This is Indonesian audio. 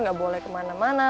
gak boleh kemana mana